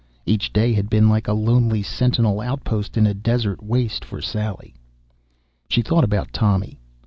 Each day had been like a lonely sentinel outpost in a desert waste for Sally. She thought about Tommy